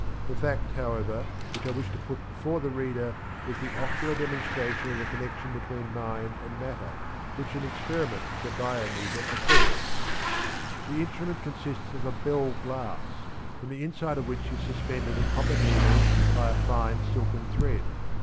The fact, however, which I wish to put before the reader, is the ocular demonstration of the connection between mind and matter, which an experiment with the biometre affords. The instrument consists of a bell glass, from the inside of which is suspended a copper needle by a fine silken thread.